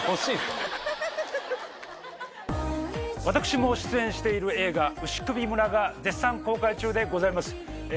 私も出演している映画「牛首村」が絶賛公開中でございます。